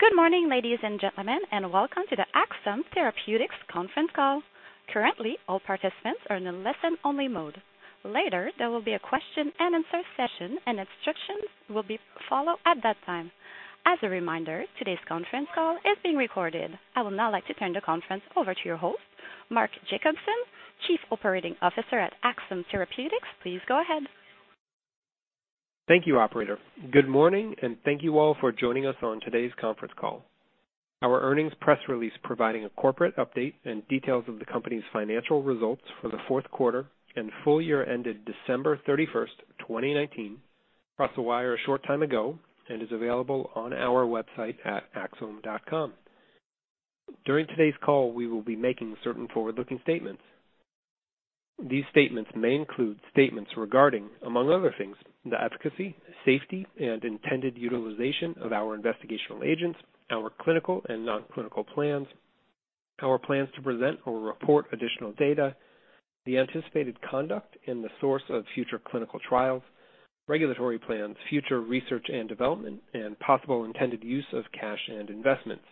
Good morning, ladies and gentlemen, and welcome to the Axsome Therapeutics conference call. Currently, all participants are in a listen-only mode. Later, there will be a question and answer session, and instructions will be followed at that time. As a reminder, today's conference call is being recorded. I would now like to turn the conference over to your host, Mark Jacobson, Chief Operating Officer at Axsome Therapeutics. Please go ahead. Thank you, operator. Good morning, and thank you all for joining us on today's conference call. Our earnings press release providing a corporate update and details of the company's financial results for the fourth quarter and full year ended December 31st, 2019 crossed the wire a short time ago and is available on our website at axsome.com. During today's call, we will be making certain forward-looking statements. These statements may include statements regarding, among other things, the efficacy, safety, and intended utilization of our investigational agents, our clinical and non-clinical plans, our plans to present or report additional data, the anticipated conduct and the source of future clinical trials, regulatory plans, future research and development, and possible intended use of cash and investments.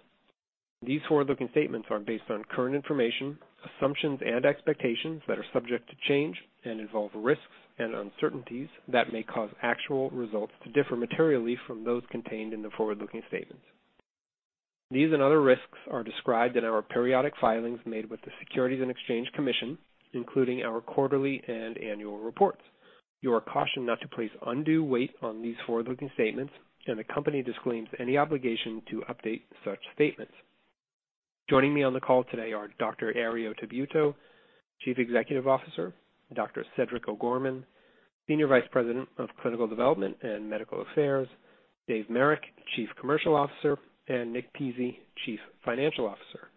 These forward-looking statements are based on current information, assumptions, and expectations that are subject to change and involve risks and uncertainties that may cause actual results to differ materially from those contained in the forward-looking statements. These and other risks are described in our periodic filings made with the Securities and Exchange Commission, including our quarterly and annual reports. You are cautioned not to place undue weight on these forward-looking statements, and the company disclaims any obligation to update such statements. Joining me on the call today are Dr. Herriot Tabuteau, Chief Executive Officer; Dr. Cedric O'Gorman, Senior Vice President of Clinical Development and Medical Affairs; Dave Marek, Chief Commercial Officer; and Nick Pizzie, Chief Financial Officer.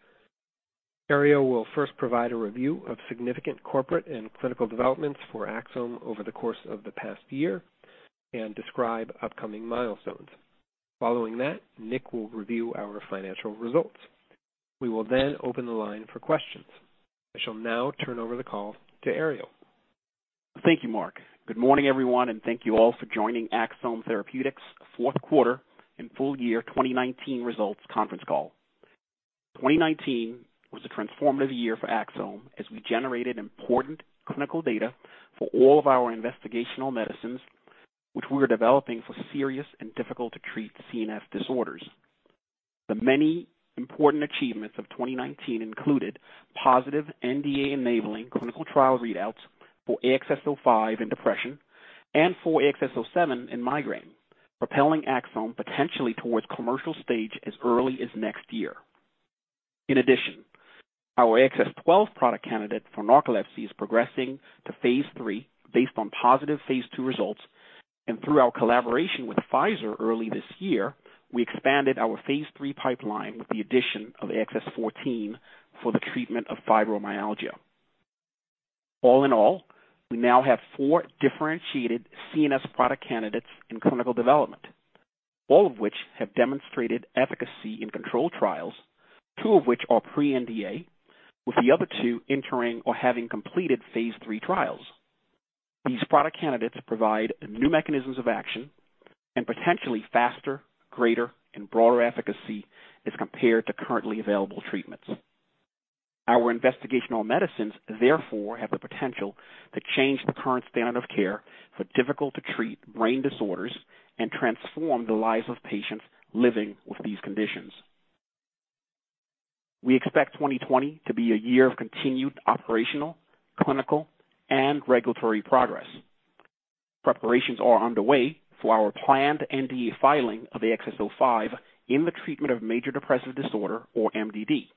Herriot will first provide a review of significant corporate and clinical developments for Axsome over the course of the past year and describe upcoming milestones. Following that, Nick will review our financial results. We will then open the line for questions. I shall now turn over the call to Herriot. Thank you, Mark. Good morning, everyone, and thank you all for joining Axsome Therapeutics' fourth quarter and full year 2019 results conference call. 2019 was a transformative year for Axsome as we generated important clinical data for all of our investigational medicines, which we are developing for serious and difficult-to-treat CNS disorders. The many important achievements of 2019 included positive NDA-enabling clinical trial readouts for AXS-05 in depression and for AXS-07 in migraine, propelling Axsome potentially towards commercial stage as early as next year. In addition, our AXS-12 product candidate for narcolepsy is progressing to phase III based on positive phase II results. Through our collaboration with Pfizer early this year, we expanded our phase III pipeline with the addition of AXS-14 for the treatment of fibromyalgia. All in all, we now have four differentiated CNS product candidates in clinical development, all of which have demonstrated efficacy in controlled trials, two of which are pre-NDA, with the other two entering or having completed phase III trials. These product candidates provide new mechanisms of action and potentially faster, greater, and broader efficacy as compared to currently available treatments. Our investigational medicines, therefore, have the potential to change the current standard of care for difficult-to-treat brain disorders and transform the lives of patients living with these conditions. We expect 2020 to be a year of continued operational, clinical, and regulatory progress. Preparations are underway for our planned NDA filing of AXS-05 in the treatment of major depressive disorder, or MDD.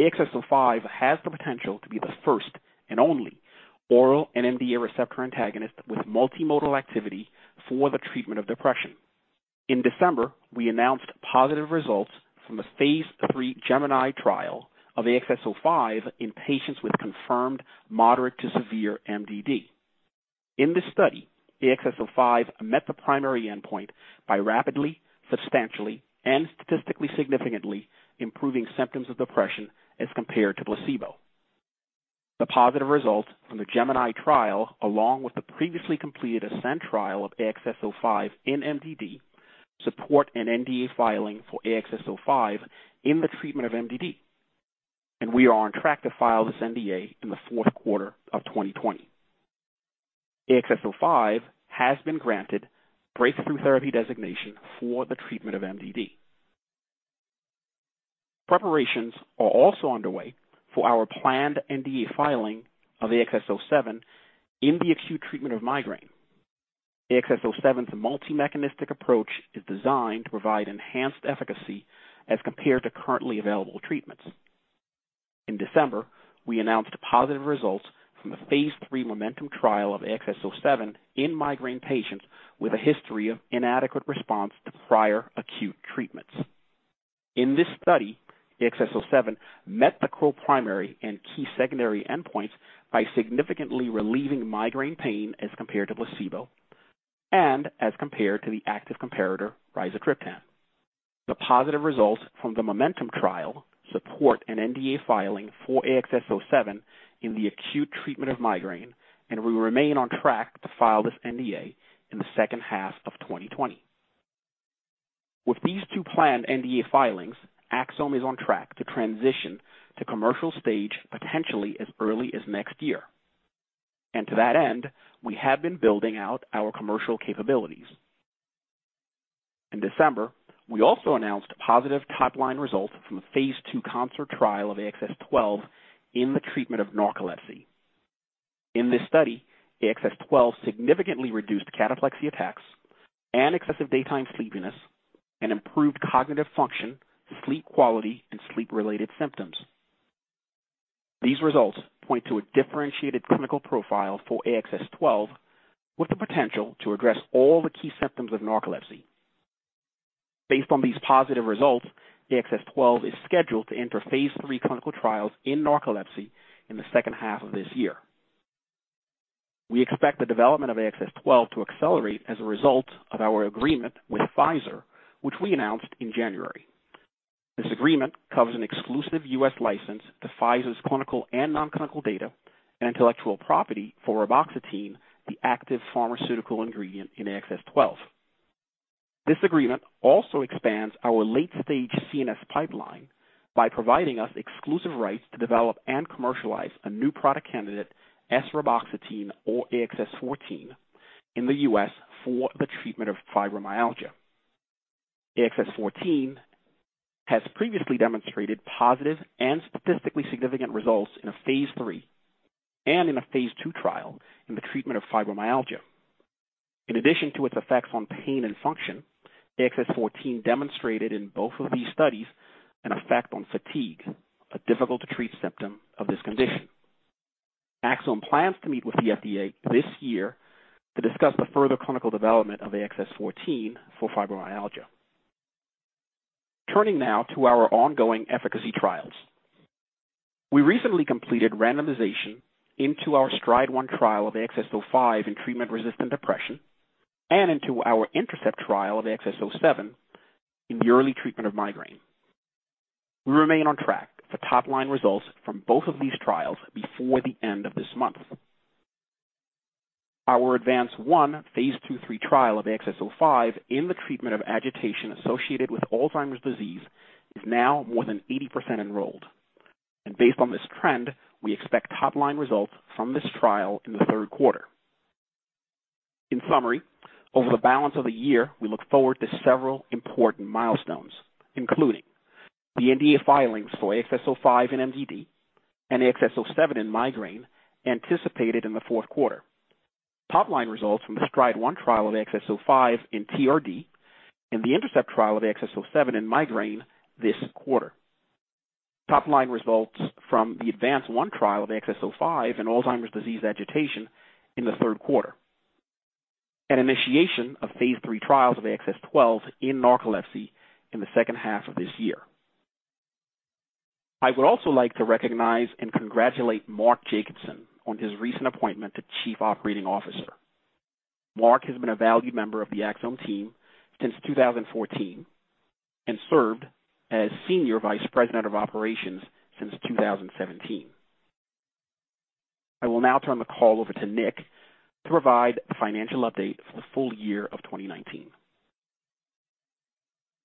AXS-05 has the potential to be the first and only oral NMDA receptor antagonist with multimodal activity for the treatment of depression. In December, we announced positive results from the phase III GEMINI trial of AXS-05 in patients with confirmed moderate to severe MDD. In this study, AXS-05 met the primary endpoint by rapidly, substantially, and statistically significantly improving symptoms of depression as compared to placebo. The positive results from the GEMINI trial, along with the previously completed ASCEND trial of AXS-05 in MDD, support an NDA filing for AXS-05 in the treatment of MDD, and we are on track to file this NDA in the fourth quarter of 2020. AXS-05 has been granted Breakthrough Therapy designation for the treatment of MDD. Preparations are also underway for our planned NDA filing of AXS-07 in the acute treatment of migraine. AXS-07's multi-mechanistic approach is designed to provide enhanced efficacy as compared to currently available treatments. In December, we announced positive results from the phase III MOMENTUM trial of AXS-07 in migraine patients with a history of inadequate response to prior acute treatments. In this study, AXS-07 met the co-primary and key secondary endpoints by significantly relieving migraine pain as compared to placebo and as compared to the active comparator, rizatriptan. The positive results from the MOMENTUM trial support an NDA filing for AXS-07 in the acute treatment of migraine. We remain on track to file this NDA in the second half of 2020. With these two planned NDA filings, Axsome is on track to transition to commercial stage potentially as early as next year. To that end, we have been building out our commercial capabilities. In December, we also announced positive top-line results from a phase II CONCERT trial of AXS-12 in the treatment of narcolepsy. In this study, AXS-12 significantly reduced cataplexy attacks and excessive daytime sleepiness and improved cognitive function, sleep quality, and sleep-related symptoms. These results point to a differentiated clinical profile for AXS-12, with the potential to address all the key symptoms of narcolepsy. Based on these positive results, AXS-12 is scheduled to enter phase III clinical trials in narcolepsy in the second half of this year. We expect the development of AXS-12 to accelerate as a result of our agreement with Pfizer, which we announced in January. This agreement covers an exclusive U.S. license to Pfizer's clinical and non-clinical data and intellectual property for reboxetine, the active pharmaceutical ingredient in AXS-12. This agreement also expands our late-stage CNS pipeline by providing us exclusive rights to develop and commercialize a new product candidate, s-reboxetine or AXS-14, in the U.S. for the treatment of fibromyalgia. AXS-14 has previously demonstrated positive and statistically significant results in a phase III and in a phase II trial in the treatment of fibromyalgia. In addition to its effects on pain and function, AXS-14 demonstrated in both of these studies an effect on fatigue, a difficult-to-treat symptom of this condition. Axsome plans to meet with the FDA this year to discuss the further clinical development of AXS-14 for fibromyalgia. Turning now to our ongoing efficacy trials. We recently completed randomization into our STRIDE-1 trial of AXS-05 in treatment-resistant depression and into our INTERCEPT trial of AXS-07 in the early treatment of migraine. We remain on track for top-line results from both of these trials before the end of this month. Our ADVANCE-1 phase II/III trial of AXS-05 in the treatment of agitation associated with Alzheimer's disease is now more than 80% enrolled. Based on this trend, we expect top-line results from this trial in the third quarter. In summary, over the balance of the year, we look forward to several important milestones, including the NDA filings for AXS-05 in MDD and AXS-07 in migraine anticipated in the fourth quarter, top-line results from the STRIDE-1 trial of AXS-05 in TRD and the INTERCEPT trial of AXS-07 in migraine this quarter, top-line results from the ADVANCE-1 trial of AXS-05 in Alzheimer's disease agitation in the third quarter, and initiation of phase III trials of AXS-12 in narcolepsy in the second half of this year. I would also like to recognize and congratulate Mark Jacobson on his recent appointment to Chief Operating Officer. Mark has been a valued member of the Axsome team since 2014 and served as senior vice president of operations since 2017. I will now turn the call over to Nick to provide the financial update for the full year of 2019.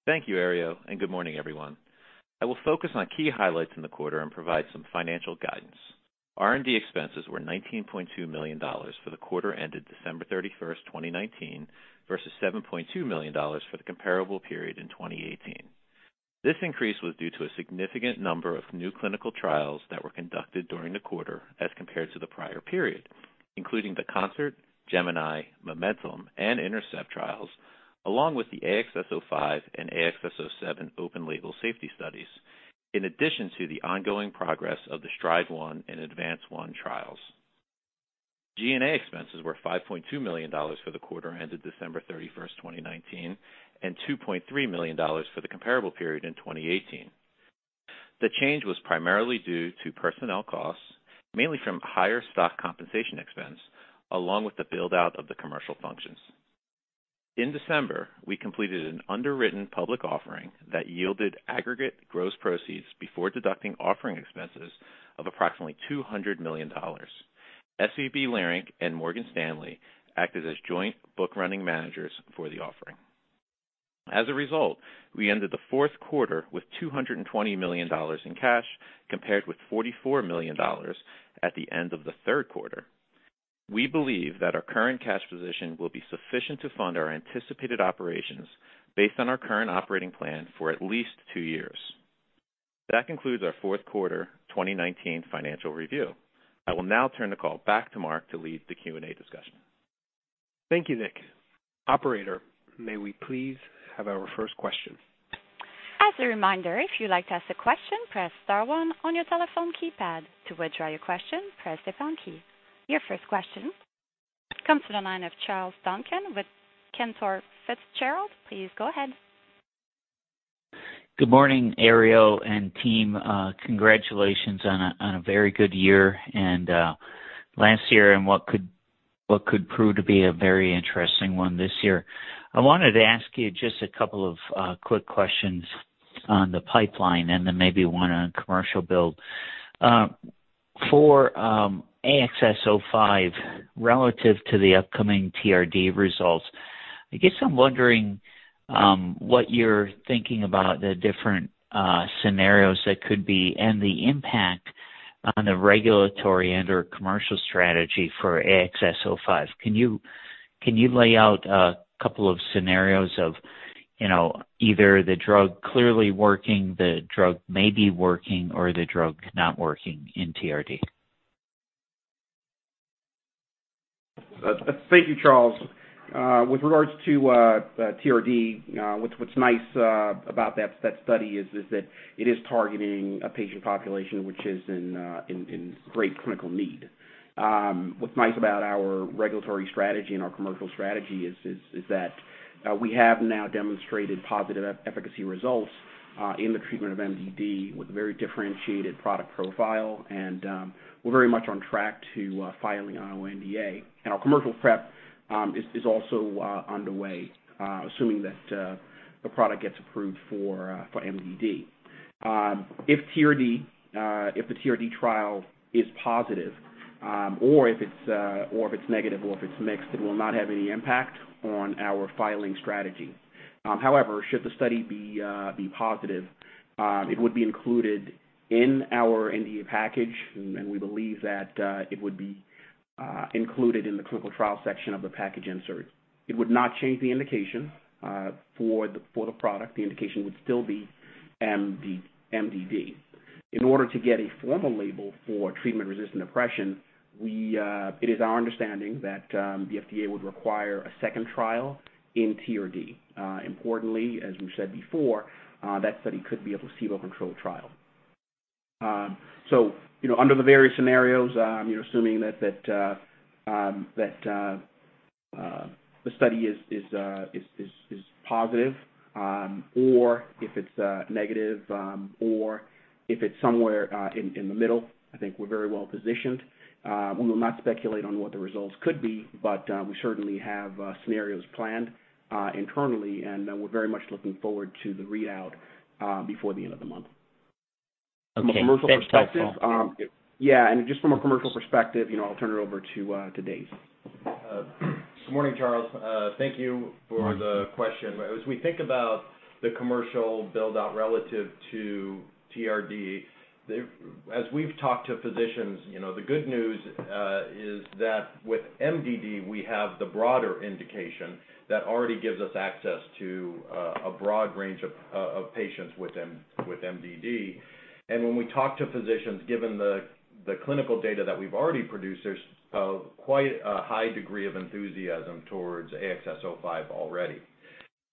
Thank you, Herriot, good morning, everyone. I will focus on key highlights in the quarter and provide some financial guidance. R&D expenses were $19.2 million for the quarter ended December 31, 2019 versus $7.2 million for the comparable period in 2018. This increase was due to a significant number of new clinical trials that were conducted during the quarter as compared to the prior period, including the CONCERT, GEMINI, MOMENTUM, and INTERCEPT trials, along with the AXS-05 and AXS-07 open label safety studies, in addition to the ongoing progress of the STRIDE-1 and ADVANCE-1 trials. G&A expenses were $5.2 million for the quarter ended December 31, 2019, and $2.3 million for the comparable period in 2018. The change was primarily due to personnel costs, mainly from higher stock compensation expense, along with the build-out of the commercial functions. In December, we completed an underwritten public offering that yielded aggregate gross proceeds before deducting offering expenses of approximately $200 million. SVB Leerink and Morgan Stanley acted as joint book-running managers for the offering. As a result, we ended the fourth quarter with $220 million in cash, compared with $44 million at the end of the third quarter. We believe that our current cash position will be sufficient to fund our anticipated operations based on our current operating plan for at least two years. That concludes our fourth quarter 2019 financial review. I will now turn the call back to Mark to lead the Q&A discussion. Thank you, Nick. Operator, may we please have our first question? As a reminder, if you'd like to ask a question, press star one on your telephone keypad. To withdraw your question, press the pound key. Your first question comes to the line of Charles Duncan with Cantor Fitzgerald. Please go ahead. Good morning, Herriot and team. Congratulations on a very good last year and what could prove to be a very interesting one this year. I wanted to ask you just a couple of quick questions on the pipeline and then maybe one on commercial build. For AXS-05, relative to the upcoming TRD results, I guess I'm wondering what you're thinking about the different scenarios that could be and the impact on the regulatory and/or commercial strategy for AXS-05. Can you lay out a couple of scenarios of either the drug clearly working, the drug may be working, or the drug not working in TRD? Thank you, Charles. With regards to TRD, what's nice about that study is that it is targeting a patient population which is in great clinical need. What's nice about our regulatory strategy and our commercial strategy is that we have now demonstrated positive efficacy results in the treatment of MDD with a very differentiated product profile. We're very much on track to filing our NDA. Our commercial prep is also underway, assuming that the product gets approved for MDD. If the TRD trial is positive or if it's negative or if it's mixed, it will not have any impact on our filing strategy. However, should the study be positive, it would be included in our NDA package, and we believe that it would be included in the clinical trial section of the package insert. It would not change the indication for the product. The indication would still be MDD. In order to get a formal label for treatment-resistant depression, it is our understanding that the FDA would require a second trial in TRD. Importantly, as we've said before, that study could be a placebo-controlled trial. Under the various scenarios, assuming that the study is positive or if it's negative or if it's somewhere in the middle, I think we're very well positioned. We will not speculate on what the results could be, but we certainly have scenarios planned internally, and we're very much looking forward to the readout before the end of the month. Okay. That's helpful. Yeah. Just from a commercial perspective, I'll turn it over to Dave. Good morning, Charles. Thank you for the question. As we think about the commercial build-out relative to TRD, as we've talked to physicians, the good news is that with MDD, we have the broader indication that already gives us access to a broad range of patients with MDD. When we talk to physicians, given the clinical data that we've already produced, there's quite a high degree of enthusiasm towards AXS-05 already.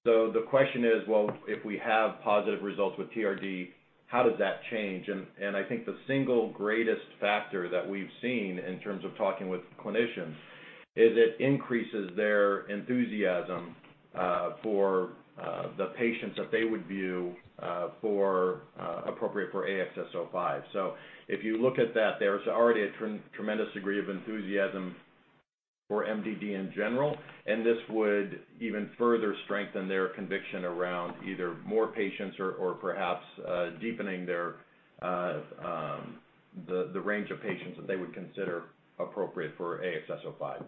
The question is, well, if we have positive results with TRD, how does that change? I think the single greatest factor that we've seen in terms of talking with clinicians is it increases their enthusiasm for the patients that they would view appropriate for AXS-05. If you look at that, there's already a tremendous degree of enthusiasm for MDD in general, and this would even further strengthen their conviction around either more patients or perhaps deepening the range of patients that they would consider appropriate for AXS-05.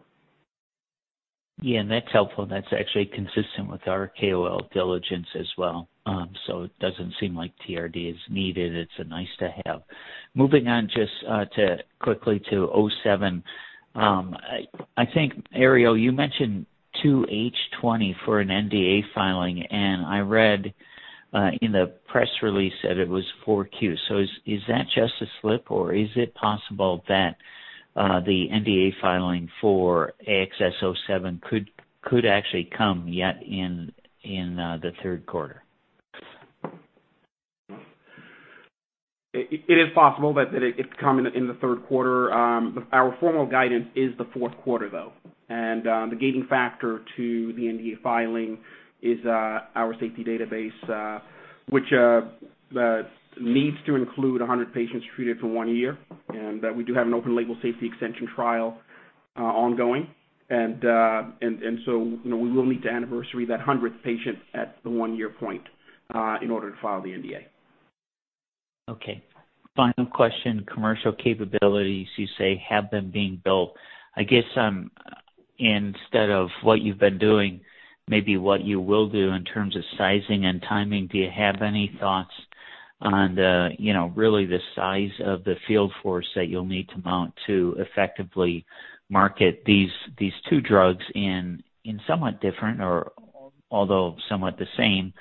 Yeah, that's helpful. That's actually consistent with our KOL diligence as well. It doesn't seem like TRD is needed. It's nice to have. Moving on just quickly to AXS-07. I think, Herriot, you mentioned 2H 2020 for an NDA filing, and I read in the press release that it was 4Q. Is that just a slip, or is it possible that the NDA filing for AXS-07 could actually come yet in the third quarter? It is possible that it could come in the third quarter. Our formal guidance is the fourth quarter, though. The gating factor to the NDA filing is our safety database which needs to include 100 patients treated for one year, and we do have an open label safety extension trial ongoing. We will need to anniversary that 100th patient at the one-year point in order to file the NDA. Okay. Final question. Commercial capabilities, you say, have been being built. I guess instead of what you've been doing, maybe what you will do in terms of sizing and timing. Do you have any thoughts on really the size of the field force that you'll need to mount to effectively market these two drugs in somewhat different or although somewhat the same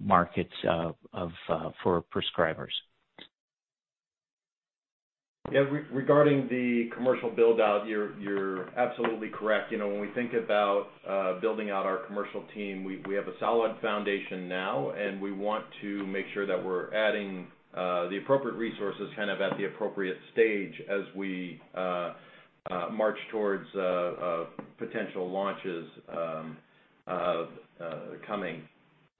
markets for prescribers? Yeah. Regarding the commercial build-out, you're absolutely correct. When we think about building out our commercial team, we have a solid foundation now, and we want to make sure that we're adding the appropriate resources at the appropriate stage as we march towards potential launches coming.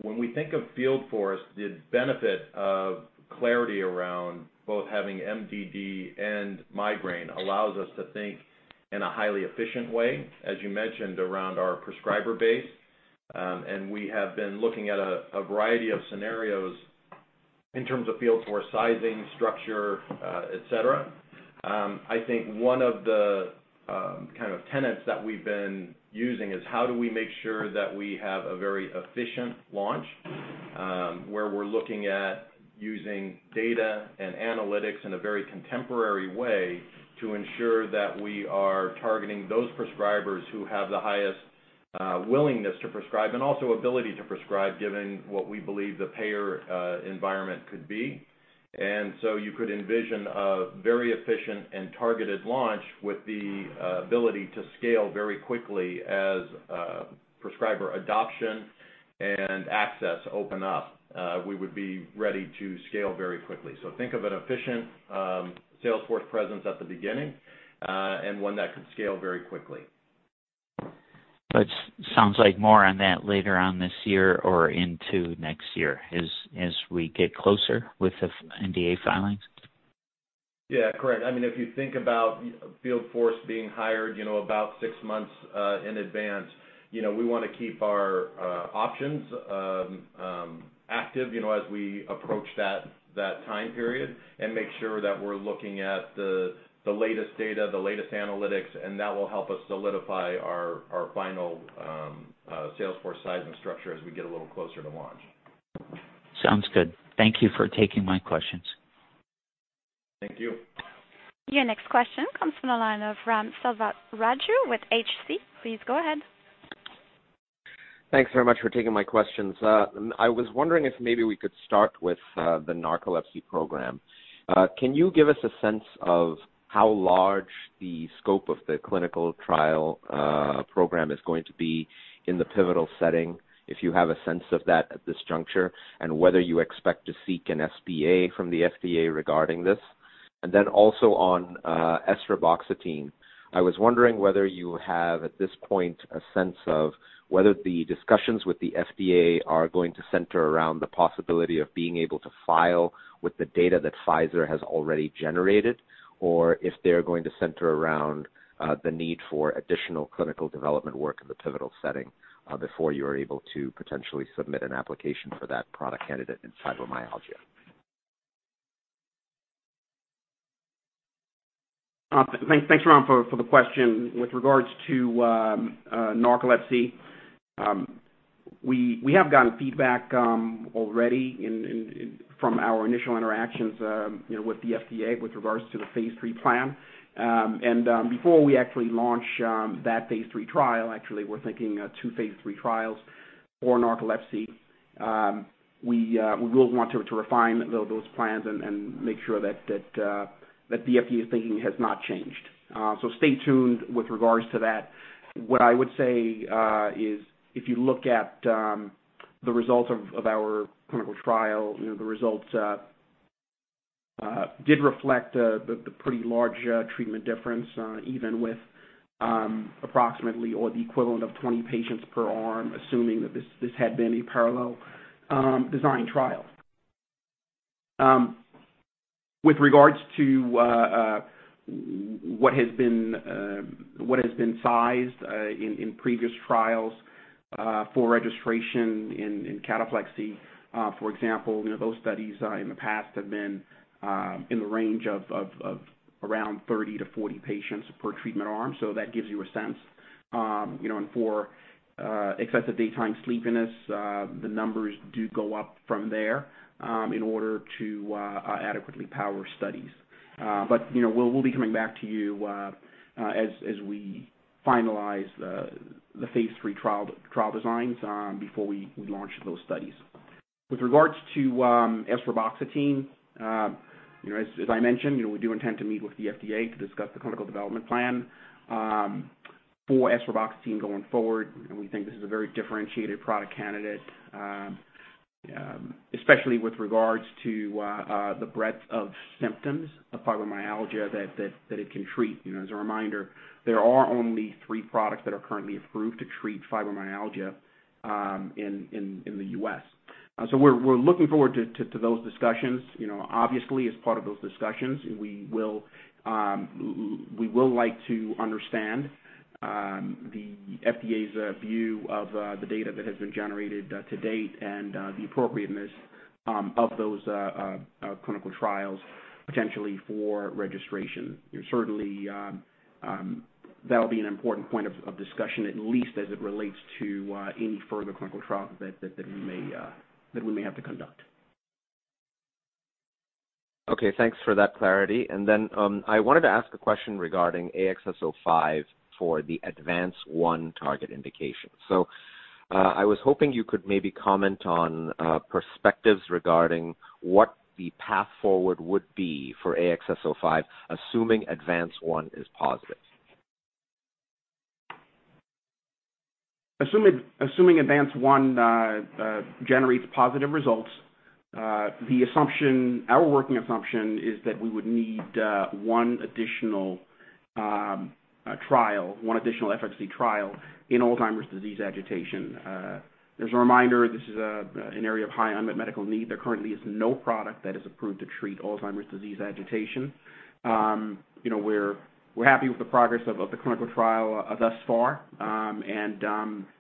When we think of field force, the benefit of clarity around both having MDD and migraine allows us to think in a highly efficient way, as you mentioned, around our prescriber base. We have been looking at a variety of scenarios in terms of field force sizing, structure, et cetera. I think one of the kind of tenets that we've been using is how do we make sure that we have a very efficient launch, where we're looking at using data and analytics in a very contemporary way to ensure that we are targeting those prescribers who have the highest willingness to prescribe, and also ability to prescribe, given what we believe the payer environment could be. You could envision a very efficient and targeted launch with the ability to scale very quickly as prescriber adoption and access open up. We would be ready to scale very quickly. Think of an efficient sales force presence at the beginning, and one that could scale very quickly. Sounds like more on that later on this year or into next year as we get closer with the NDA filings. Yeah. Correct. If you think about field force being hired about six months in advance, we want to keep our options active as we approach that time period and make sure that we're looking at the latest data, the latest analytics, and that will help us solidify our final sales force size and structure as we get a little closer to launch. Sounds good. Thank you for taking my questions. Thank you. Your next question comes from the line of Ram Selvaraju with H.C. Wainwright. Please go ahead. Thanks very much for taking my questions. I was wondering if maybe we could start with the narcolepsy program. Can you give us a sense of how large the scope of the clinical trial program is going to be in the pivotal setting, if you have a sense of that at this juncture? Whether you expect to seek an SPA from the FDA regarding this? Then also on esreboxetine, I was wondering whether you have, at this point, a sense of whether the discussions with the FDA are going to center around the possibility of being able to file with the data that Pfizer has already generated, or if they're going to center around the need for additional clinical development work in the pivotal setting, before you're able to potentially submit an application for that product candidate in fibromyalgia. Thanks, Ram, for the question. With regards to narcolepsy, we have gotten feedback already from our initial interactions with the FDA with regards to the phase III plan. Before we actually launch that phase III trial, actually, we're thinking two phase III trials for narcolepsy. We will want to refine those plans and make sure that the FDA's thinking has not changed. Stay tuned with regards to that. What I would say is if you look at the results of our clinical trial, the results did reflect the pretty large treatment difference, even with approximately or the equivalent of 20 patients per arm, assuming that this had been a parallel design trial. With regards to what has been sized in previous trials for registration in cataplexy, for example, those studies in the past have been in the range of around 30-40 patients per treatment arm. That gives you a sense. For excessive daytime sleepiness, the numbers do go up from there in order to adequately power studies. We'll be coming back to you as we finalize the phase III trial designs before we launch those studies. With regards to esreboxetine, as I mentioned, we do intend to meet with the FDA to discuss the clinical development plan for esreboxetine going forward. We think this is a very differentiated product candidate, especially with regards to the breadth of symptoms of fibromyalgia that it can treat. As a reminder, there are only three products that are currently approved to treat fibromyalgia in the U.S. We're looking forward to those discussions. Obviously, as part of those discussions, we will like to understand the FDA's view of the data that has been generated to date and the appropriateness of those clinical trials, potentially for registration. Certainly, that'll be an important point of discussion, at least as it relates to any further clinical trials that we may have to conduct. Okay, thanks for that clarity. I wanted to ask a question regarding AXS-05 for the ADVANCE-1 target indication. I was hoping you could maybe comment on perspectives regarding what the path forward would be for AXS-05, assuming ADVANCE-1 is positive. Assuming ADVANCE-1 generates positive results, our working assumption is that we would need one additional trial, one additional efficacy trial in Alzheimer's disease agitation. As a reminder, this is an area of high unmet medical need. There currently is no product that is approved to treat Alzheimer's disease agitation. We're happy with the progress of the clinical trial thus far.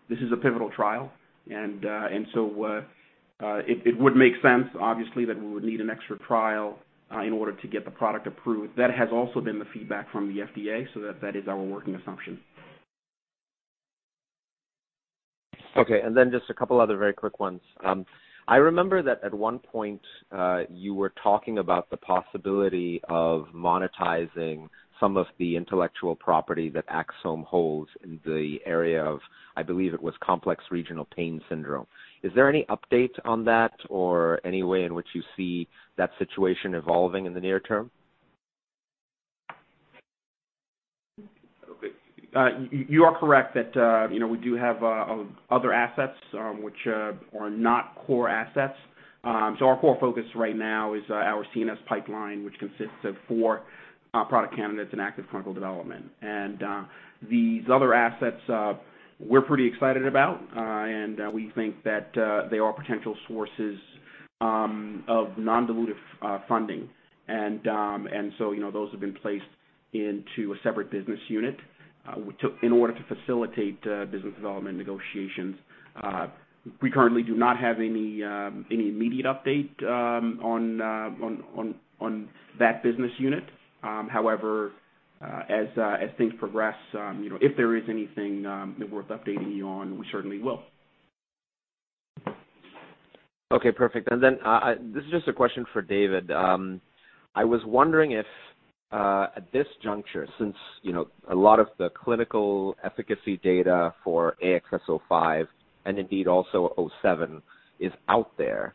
This is a pivotal trial. It would make sense, obviously, that we would need an extra trial in order to get the product approved. That has also been the feedback from the FDA. That is our working assumption. Okay, just a couple other very quick ones. I remember that at one point, you were talking about the possibility of monetizing some of the intellectual property that Axsome holds in the area of, I believe it was complex regional pain syndrome. Is there any update on that or any way in which you see that situation evolving in the near term? Okay. You are correct that we do have other assets which are not core assets. Our core focus right now is our CNS pipeline, which consists of four product candidates in active clinical development. These other assets we're pretty excited about, and we think that they are potential sources of non-dilutive funding. Those have been placed into a separate business unit in order to facilitate business development negotiations. We currently do not have any immediate update on that business unit. However, as things progress, if there is anything worth updating you on, we certainly will. Okay, perfect. This is just a question for David. I was wondering if at this juncture, since a lot of the clinical efficacy data for AXS-05 and indeed also AXS-07 is out there,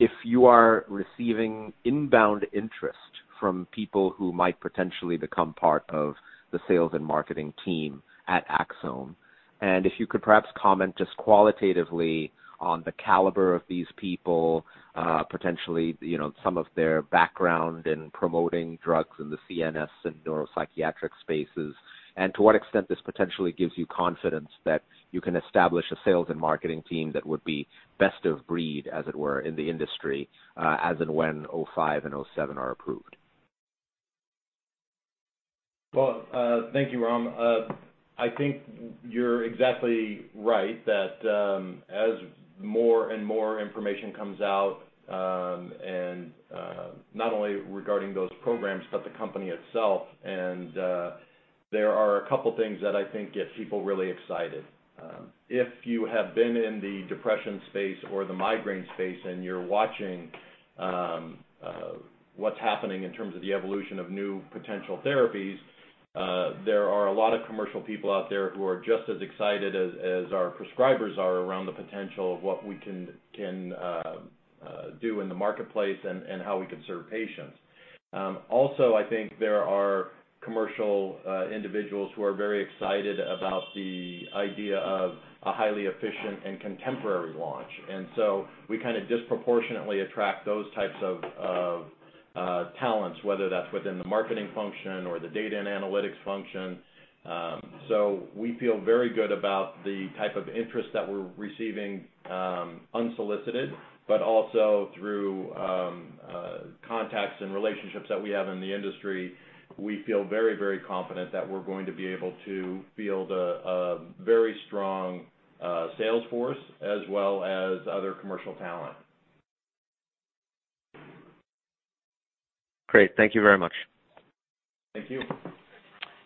if you are receiving inbound interest from people who might potentially become part of the sales and marketing team at Axsome Therapeutics. If you could perhaps comment just qualitatively on the caliber of these people, potentially some of their background in promoting drugs in the CNS and neuropsychiatric spaces, and to what extent this potentially gives you confidence that you can establish a sales and marketing team that would be best of breed, as it were, in the industry, as and when AXS-05 and AXS-07 are approved. Well, thank you, Ram. I think you're exactly right that as more and more information comes out, and not only regarding those programs but the company itself, and there are a couple things that I think get people really excited. If you have been in the depression space or the migraine space and you're watching what's happening in terms of the evolution of new potential therapies, there are a lot of commercial people out there who are just as excited as our prescribers are around the potential of what we can do in the marketplace and how we could serve patients. Also, I think there are commercial individuals who are very excited about the idea of a highly efficient and contemporary launch. We kind of disproportionately attract those types of talents, whether that's within the marketing function or the data and analytics function. We feel very good about the type of interest that we're receiving unsolicited, but also through contacts and relationships that we have in the industry. We feel very, very confident that we're going to be able to build a very strong sales force as well as other commercial talent. Great. Thank you very much. Thank you.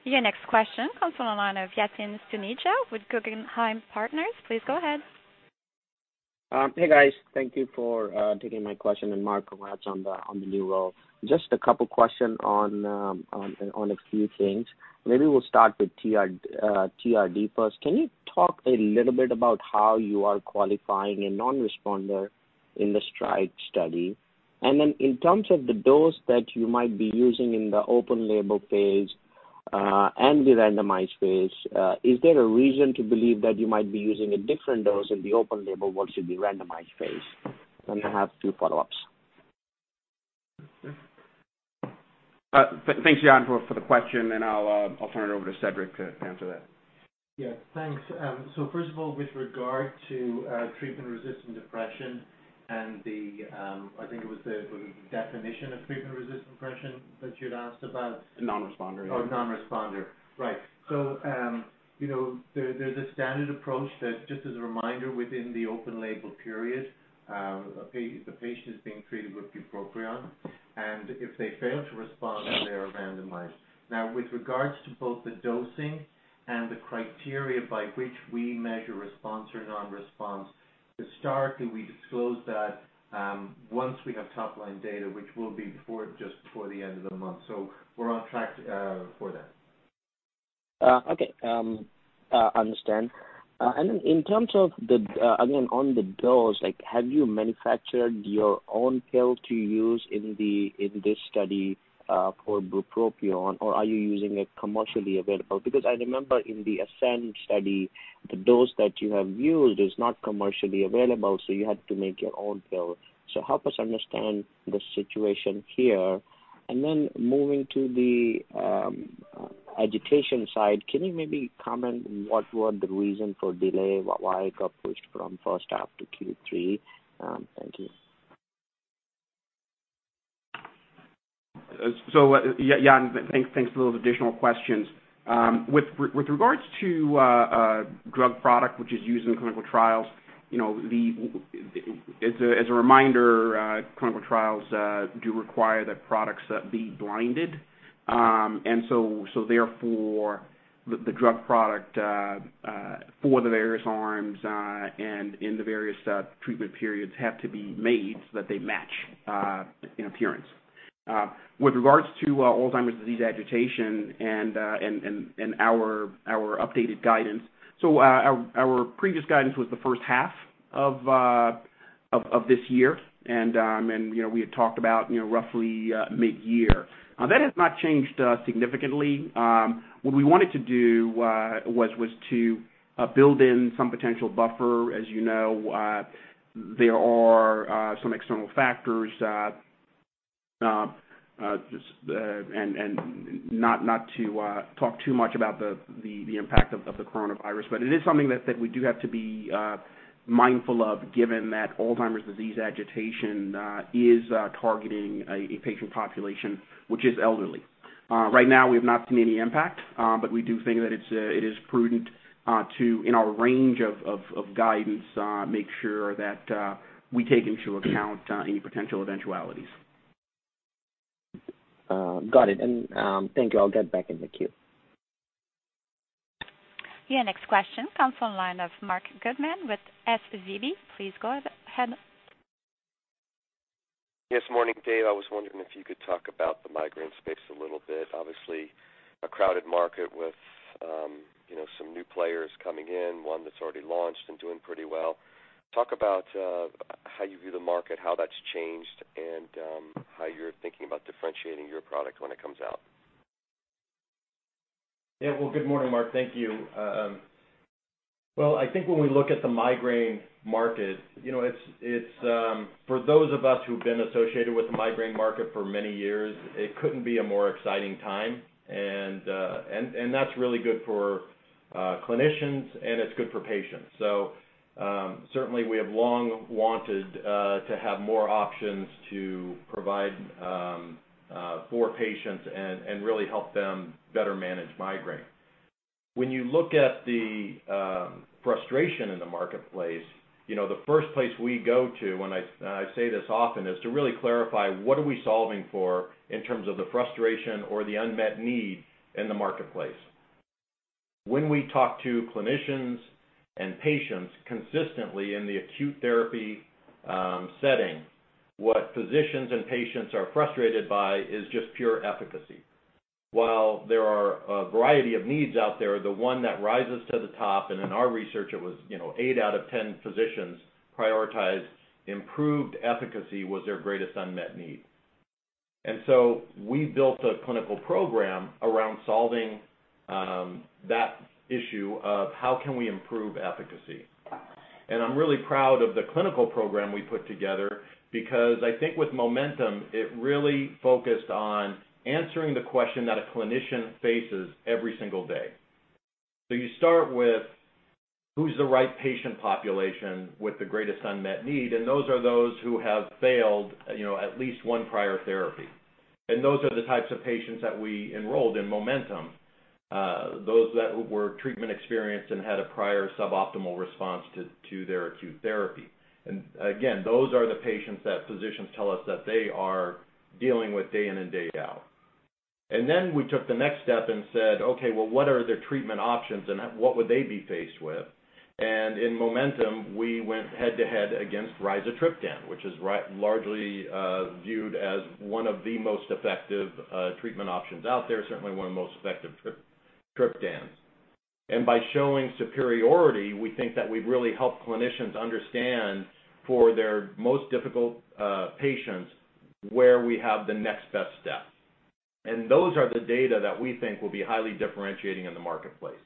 Your next question comes on the line of Yatin Suneja with Guggenheim Securities. Please go ahead. Hey, guys. Thank you for taking my question, and Mark, congrats on the new role. Just a couple questions on a few things. Maybe we'll start with TRD first. Can you talk a little bit about how you are qualifying a non-responder in the STRIDE study? Then in terms of the dose that you might be using in the open label phase and the randomized phase, is there a reason to believe that you might be using a different dose in the open label versus the randomized phase? Then I have two follow-ups. Thanks, Yatin, for the question, and I'll turn it over to Cedric to answer that. Yeah, thanks. First of all, with regard to treatment-resistant depression and the I think it was the definition of treatment-resistant depression that you'd asked about. Non-responder. Oh, non-responder. Right. There's a standard approach that just as a reminder within the open label period, the patient is being treated with bupropion, and if they fail to respond, they are randomized. With regards to both the dosing and the criteria by which we measure response or non-response, historically, we disclose that once we have top-line data, which will be just before the end of the month. We're on track for that. Okay. Understand. Then in terms of the, again, on the dose, have you manufactured your own pill to use in this study for bupropion or are you using a commercially available? I remember in the ASCEND study, the dose that you have used is not commercially available, so you had to make your own pill. Help us understand the situation here. Then moving to the agitation side, can you maybe comment what were the reason for delay, why it got pushed from first half to Q3? Thank you. Yatin, thanks for those additional questions. With regards to drug product which is used in clinical trials As a reminder, clinical trials do require that products be blinded. Therefore, the drug product for the various arms and in the various treatment periods have to be made so that they match in appearance. With regards to Alzheimer's disease agitation and our updated guidance, so our previous guidance was the first half of this year, and we had talked about roughly mid-year. That has not changed significantly. What we wanted to do was to build in some potential buffer. As you know, there are some external factors, and not to talk too much about the impact of the coronavirus, but it is something that we do have to be mindful of given that Alzheimer's disease agitation is targeting a patient population which is elderly. Right now, we have not seen any impact, but we do think that it is prudent to, in our range of guidance, make sure that we take into account any potential eventualities. Got it. Thank you. I'll get back in the queue. Your next question comes from the line of Marc Goodman with SVB. Please go ahead. Yes, morning, Dave. I was wondering if you could talk about the migraine space a little bit? Obviously, a crowded market with some new players coming in, one that's already launched and doing pretty well. Talk about how you view the market, how that's changed, and how you're thinking about differentiating your product when it comes out. Yeah. Well, good morning, Marc. Thank you. Well, I think when we look at the migraine market, for those of us who've been associated with the migraine market for many years, it couldn't be a more exciting time. That's really good for clinicians and it's good for patients. Certainly we have long wanted to have more options to provide for patients and really help them better manage migraine. When you look at the frustration in the marketplace, the first place we go to, and I say this often, is to really clarify what are we solving for in terms of the frustration or the unmet need in the marketplace. When we talk to clinicians and patients consistently in the acute therapy setting, what physicians and patients are frustrated by is just pure efficacy. While there are a variety of needs out there, the one that rises to the top, and in our research, it was 8 out of 10 physicians prioritized improved efficacy was their greatest unmet need. We built a clinical program around solving that issue of how can we improve efficacy. I'm really proud of the clinical program we put together because I think with MOMENTUM, it really focused on answering the question that a clinician faces every single day. You start with who's the right patient population with the greatest unmet need, and those are those who have failed at least one prior therapy. Those are the types of patients that we enrolled in MOMENTUM, those that were treatment experienced and had a prior suboptimal response to their acute therapy. Again, those are the patients that physicians tell us that they are dealing with day in and day out. Then we took the next step and said, okay, well, what are their treatment options, and what would they be faced with? In MOMENTUM, we went head-to-head against rizatriptan, which is largely viewed as one of the most effective treatment options out there, certainly one of the most effective triptans. By showing superiority, we think that we've really helped clinicians understand for their most difficult patients where we have the next best step. Those are the data that we think will be highly differentiating in the marketplace.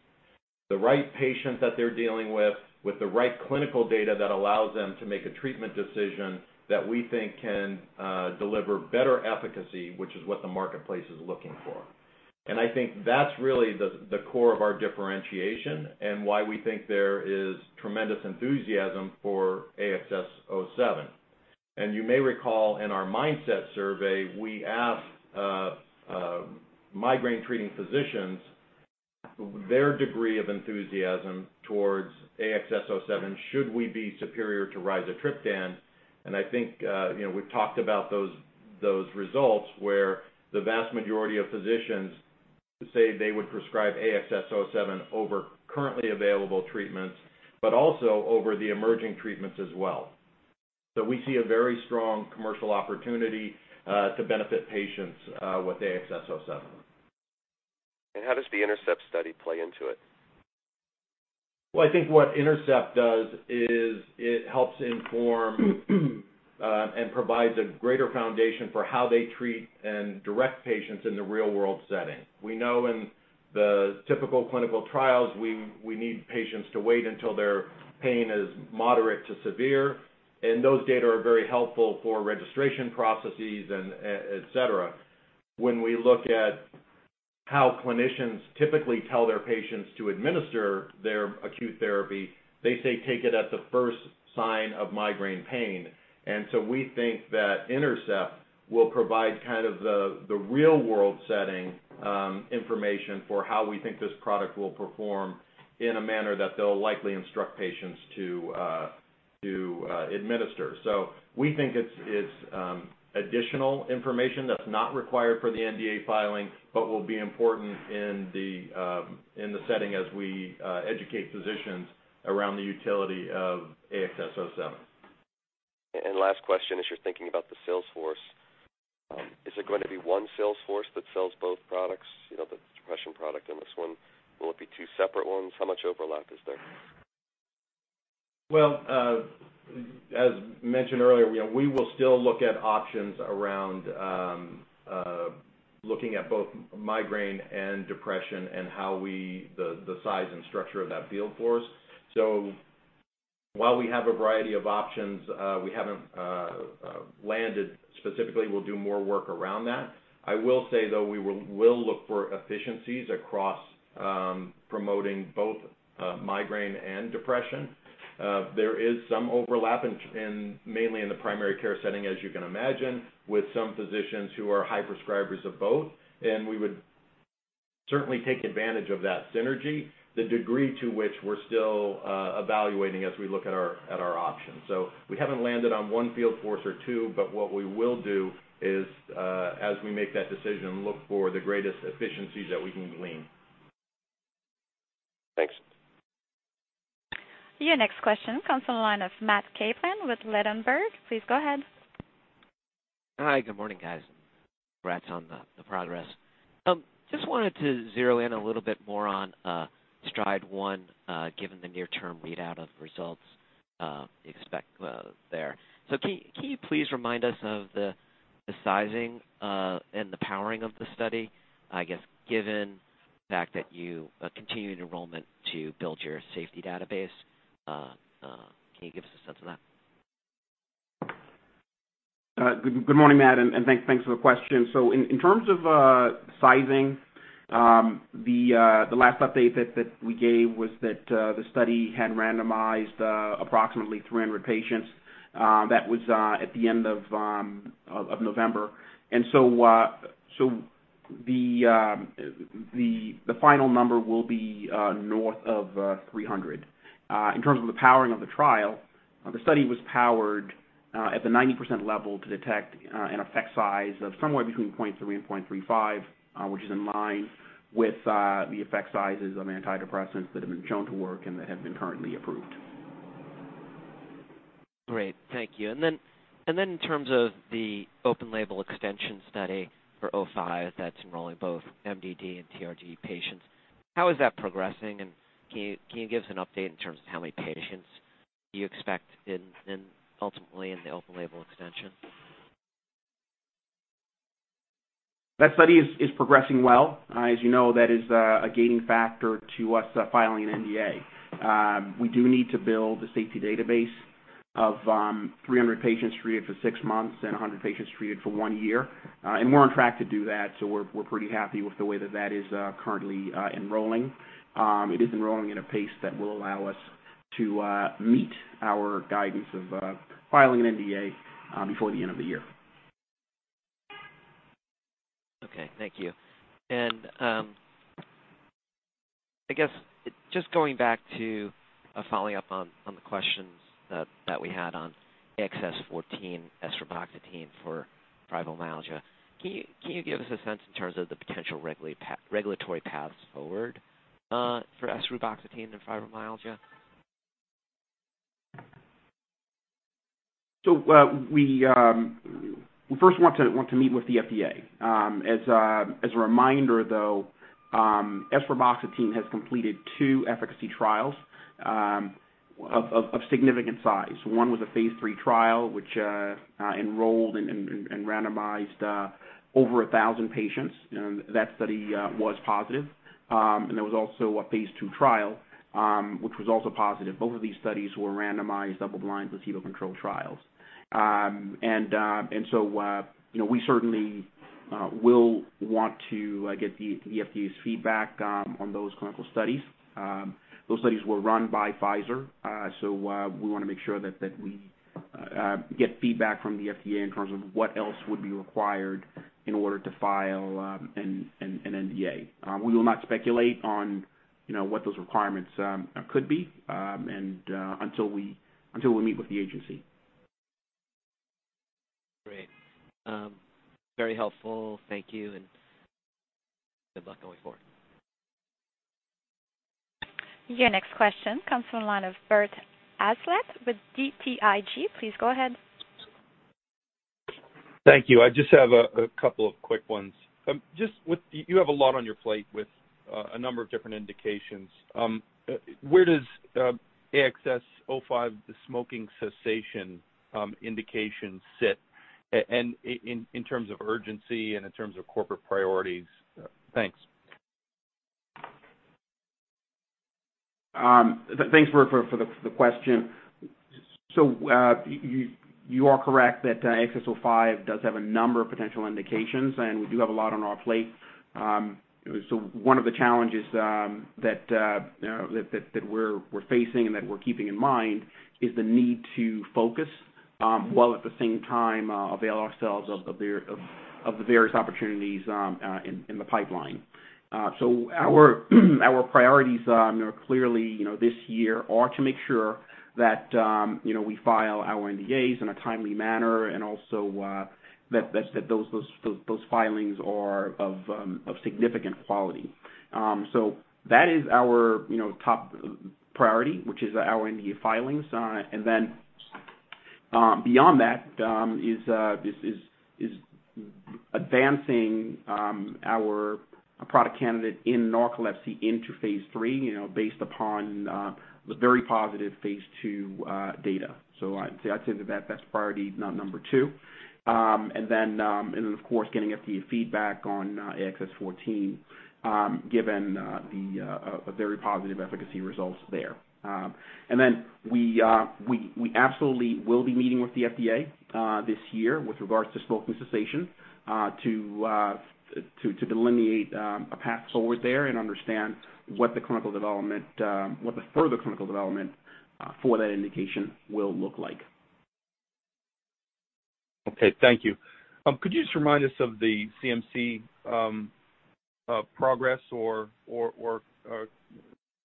The right patients that they're dealing with the right clinical data that allows them to make a treatment decision that we think can deliver better efficacy, which is what the marketplace is looking for. I think that's really the core of our differentiation and why we think there is tremendous enthusiasm for AXS-07. You may recall in our MINDSET survey, we asked migraine treating physicians their degree of enthusiasm towards AXS-07 should we be superior to rizatriptan, and I think we've talked about those results where the vast majority of physicians say they would prescribe AXS-07 over currently available treatments, but also over the emerging treatments as well. We see a very strong commercial opportunity to benefit patients with AXS-07. How does the INTERCEPT study play into it? I think what INTERCEPT does is it helps inform and provides a greater foundation for how they treat and direct patients in the real-world setting. We know in the typical clinical trials, we need patients to wait until their pain is moderate to severe, and those data are very helpful for registration processes, et cetera. When we look at how clinicians typically tell their patients to administer their acute therapy, they say take it at the first sign of migraine pain. We think that INTERCEPT will provide kind of the real-world setting information for how we think this product will perform in a manner that they'll likely instruct patients to administer. We think it's additional information that's not required for the NDA filing, but will be important in the setting as we educate physicians around the utility of AXS-07. Last question, as you're thinking about the sales force, is it going to be one sales force that sells both products, the depression product and this one? Will it be two separate ones? How much overlap is there? Well, as mentioned earlier, we will still look at options around looking at both migraine and depression and the size and structure of that field force. While we have a variety of options, we haven't landed specifically. We'll do more work around that. I will say, though, we will look for efficiencies across promoting both migraine and depression. There is some overlap mainly in the primary care setting, as you can imagine, with some physicians who are high prescribers of both, and we would certainly take advantage of that synergy. The degree to which we're still evaluating as we look at our options. We haven't landed on one field force or two, but what we will do is, as we make that decision, look for the greatest efficiencies that we can glean. Thanks. Your next question comes from the line of Matt Kaplan with Ladenburg Thalmann. Please go ahead. Hi. Good morning, guys. Congrats on the progress. Just wanted to zero in a little bit more on STRIDE-1, given the near-term readout of results you expect there. Can you please remind us of the sizing and the powering of the study, I guess, given the fact that you continued enrollment to build your safety database? Can you give us a sense of that? Good morning, Matt. Thanks for the question. In terms of sizing, the last update that we gave was that the study had randomized approximately 300 patients. That was at the end of November. The final number will be north of 300. In terms of the powering of the trial, the study was powered at the 90% level to detect an effect size of somewhere between 0.3 and 0.35, which is in line with the effect sizes of antidepressants that have been shown to work and that have been currently approved. Great. Thank you. In terms of the open label extension study for AXS-05 that's enrolling both MDD and TRD patients, how is that progressing? Can you give us an update in terms of how many patients you expect ultimately in the open label extension? That study is progressing well. As you know, that is a gaining factor to us filing an NDA. We do need to build a safety database of 300 patients treated for six months and 100 patients treated for one year. We're on track to do that, so we're pretty happy with the way that that is currently enrolling. It is enrolling at a pace that will allow us to meet our guidance of filing an NDA before the end of the year. Okay. Thank you. I guess, just going back to following up on the questions that we had on AXS-14, esreboxetine for fibromyalgia, can you give us a sense in terms of the potential regulatory paths forward for esreboxetine and fibromyalgia? We first want to meet with the FDA. As a reminder, though, esreboxetine has completed two efficacy trials of significant size. One was a phase III trial, which enrolled and randomized over 1,000 patients. That study was positive. There was also a phase II trial, which was also positive. Both of these studies were randomized, double-blind, placebo-controlled trials. We certainly will want to get the FDA's feedback on those clinical studies. Those studies were run by Pfizer, so we want to make sure that we get feedback from the FDA in terms of what else would be required in order to file an NDA. We will not speculate on what those requirements could be until we meet with the agency. Great. Very helpful. Thank you, and good luck going forward. Your next question comes from the line of Robert Hazlett with BTIG. Please go ahead. Thank you. I just have a couple of quick ones. You have a lot on your plate with a number of different indications. Where does AXS-05, the smoking cessation indication, sit, and in terms of urgency and in terms of corporate priorities? Thanks. Thanks, Robert, for the question. You are correct that AXS-05 does have a number of potential indications, and we do have a lot on our plate. One of the challenges that we're facing and that we're keeping in mind is the need to focus While at the same time avail ourselves of the various opportunities in the pipeline. Our priorities there clearly this year are to make sure that we file our NDAs in a timely manner and also that those filings are of significant quality. That is our top priority, which is our NDA filings. Beyond that, is advancing our product candidate in narcolepsy into phase III, based upon the very positive phase II data. I'd say that that's priority number two. Of course, getting FDA feedback on AXS-14, given the very positive efficacy results there. We absolutely will be meeting with the FDA this year with regards to smoking cessation, to delineate a path forward there and understand what the further clinical development for that indication will look like. Okay. Thank you. Could you just remind us of the CMC progress or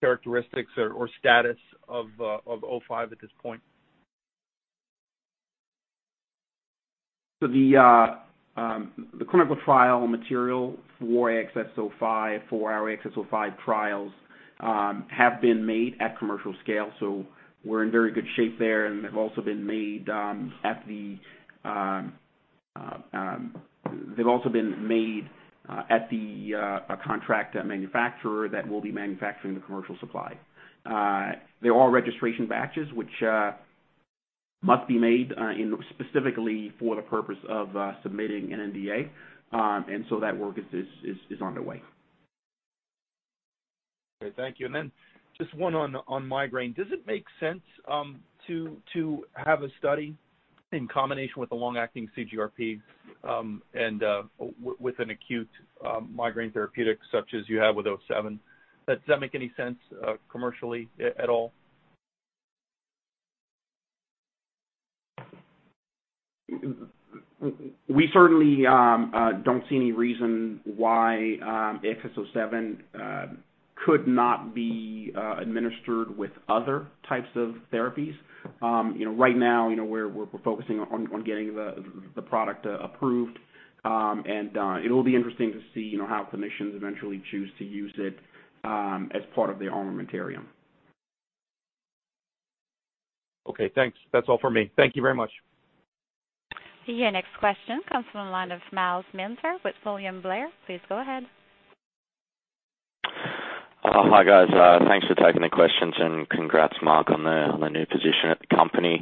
characteristics or status of AXS-05 at this point? The clinical trial material for AXS-05, for our AXS-05 trials, have been made at commercial scale, so we're in very good shape there. They've also been made at the contract manufacturer that will be manufacturing the commercial supply. They're all registration batches, which must be made specifically for the purpose of submitting an NDA. That work is underway. Okay. Thank you. Just one on migraine. Does it make sense to have a study in combination with a long-acting CGRP, and with an acute migraine therapeutic such as you have with AXS-07? Does that make any sense commercially at all? We certainly don't see any reason why AXS-07 could not be administered with other types of therapies. Right now, we're focusing on getting the product approved. It'll be interesting to see how clinicians eventually choose to use it as part of their armamentarium. Okay, thanks. That's all for me. Thank you very much. Your next question comes from the line of Myles Minter with William Blair. Please go ahead. Hi, guys. Thanks for taking the questions, and congrats, Mark, on the new position at the company.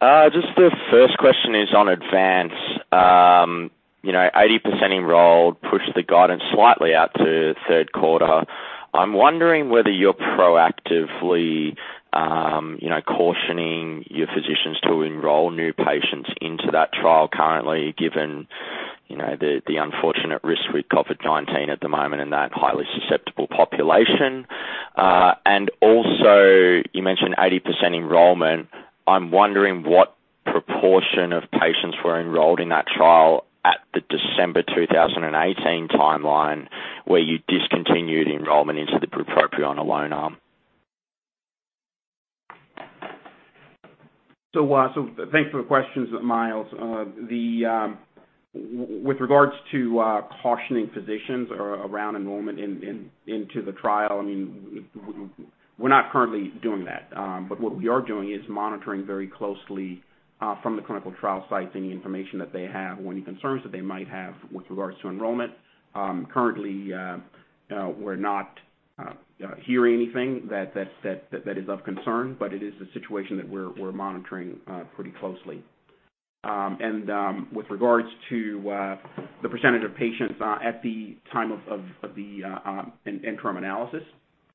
The first question is on ADVANCE. 80% enrolled pushed the guidance slightly out to third quarter. I'm wondering whether you're proactively cautioning your physicians to enroll new patients into that trial currently, given the unfortunate risk with COVID-19 at the moment in that highly susceptible population. Also, you mentioned 80% enrollment. I'm wondering what proportion of patients were enrolled in that trial at the December 2018 timeline, where you discontinued enrollment into the bupropion alone arm. Thanks for the questions, Myles. With regards to cautioning physicians around enrollment into the trial, we're not currently doing that. What we are doing is monitoring very closely from the clinical trial sites any information that they have or any concerns that they might have with regards to enrollment. Currently, we're not hearing anything that is of concern, but it is a situation that we're monitoring pretty closely. With regards to the percentage of patients at the time of the interim analysis.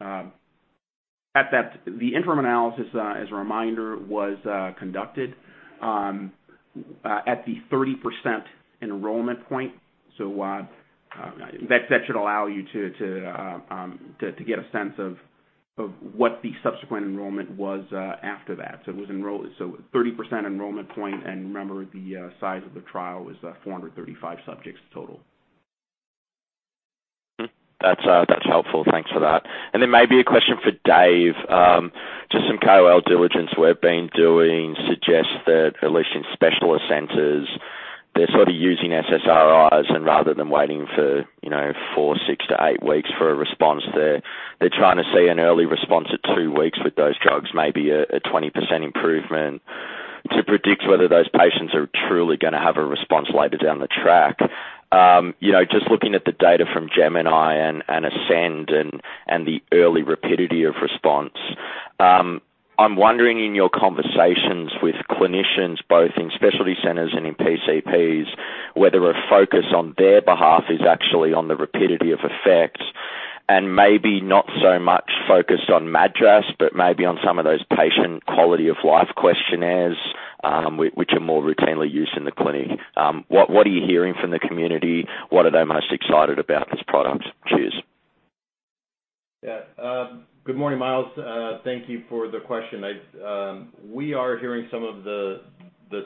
The interim analysis, as a reminder, was conducted at the 30% enrollment point. That should allow you to get a sense of what the subsequent enrollment was after that. 30% enrollment point, and remember, the size of the trial was 435 subjects total. That's helpful. Thanks for that. Maybe a question for Dave. Just some KOL diligence we've been doing suggests that at least in specialist centers, they're sort of using SSRIs and rather than waiting for six to eight weeks for a response there. They're trying to see an early response at two weeks with those drugs, maybe a 20% improvement, to predict whether those patients are truly going to have a response later down the track. Just looking at the data from GEMINI and ASCEND and the early rapidity of response. I'm wondering in your conversations with clinicians, both in specialty centers and in PCPs, whether a focus on their behalf is actually on the rapidity of effect, and maybe not so much focused on MADRS, but maybe on some of those patient quality of life questionnaires, which are more routinely used in the clinic. What are you hearing from the community? What are they most excited about this product? Cheers. Good morning, Myles. Thank you for the question. We are hearing some of the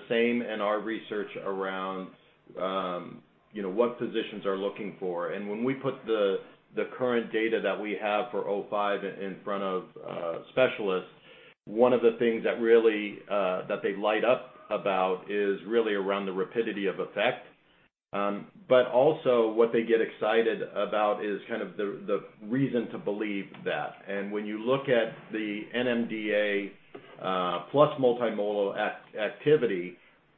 same in our research around what physicians are looking for. When we put the current data that we have for AXS-05 in front of specialists, one of the things that they light up about is really around the rapidity of effect. Also what they get excited about is kind of the reason to believe that. When you look at the NMDA plus multimodal activity,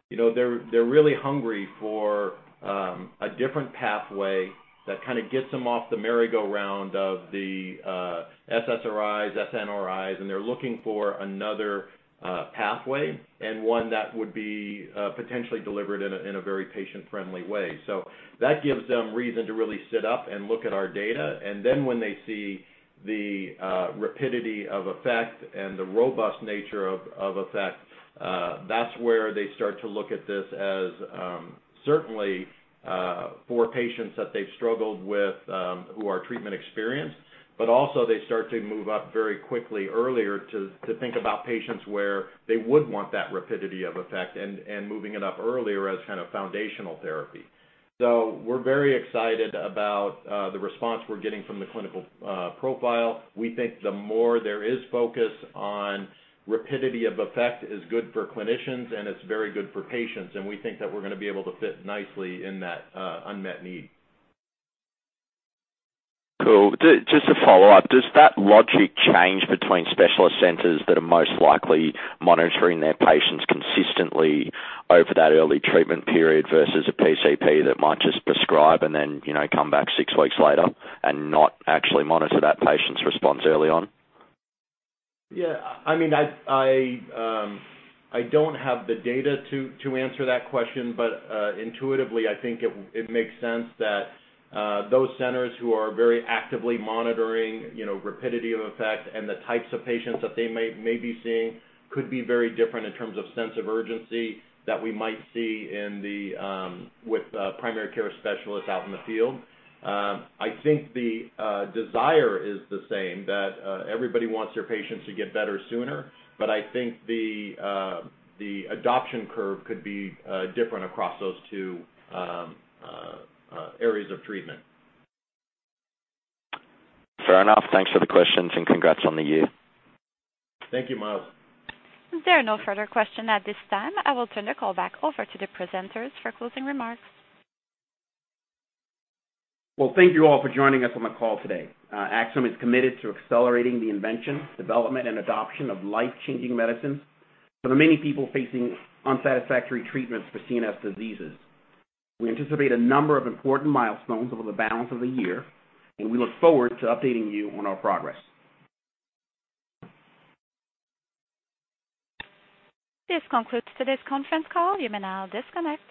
they're really hungry for a different pathway that kind of gets them off the merry-go-round of the SSRIs, SNRIs, and they're looking for another pathway and one that would be potentially delivered in a very patient-friendly way. That gives them reason to really sit up and look at our data. When they see the rapidity of effect and the robust nature of effect, that's where they start to look at this as, certainly for patients that they've struggled with who are treatment-experienced, but also they start to move up very quickly earlier to think about patients where they would want that rapidity of effect and moving it up earlier as kind of foundational therapy. We're very excited about the response we're getting from the clinical profile. We think the more there is focus on rapidity of effect is good for clinicians and it's very good for patients, and we think that we're going to be able to fit nicely in that unmet need. Cool. Just to follow up, does that logic change between specialist centers that are most likely monitoring their patients consistently over that early treatment period versus a PCP that might just prescribe and then come back six weeks later and not actually monitor that patient's response early on? Yeah. I don't have the data to answer that question, but intuitively I think it makes sense that those centers who are very actively monitoring rapidity of effect and the types of patients that they may be seeing could be very different in terms of sense of urgency that we might see with primary care specialists out in the field. I think the desire is the same, that everybody wants their patients to get better sooner. I think the adoption curve could be different across those two areas of treatment. Fair enough. Thanks for the questions and congrats on the year. Thank you, Myles. There are no further question at this time. I will turn the call back over to the presenters for closing remarks. Well, thank you all for joining us on the call today. Axsome is committed to accelerating the invention, development, and adoption of life-changing medicines for the many people facing unsatisfactory treatments for CNS diseases. We anticipate a number of important milestones over the balance of the year, and we look forward to updating you on our progress. This concludes today's conference call. You may now disconnect.